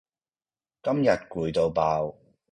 今日攰到爆